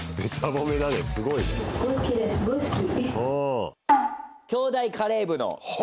すごい好き。